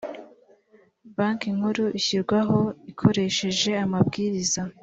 banki nkuru ishyirwaho ikoresheje amabwiriza .